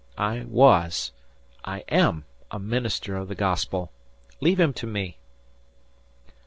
I was I am a minister of the Gospel. Leave him to me."